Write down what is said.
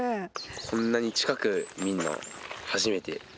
こんなに近くで見るのは初めて。